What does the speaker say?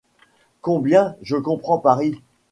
Combien je comprends Paris !